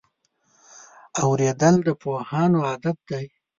اورېدل د پوهانو عادت دی.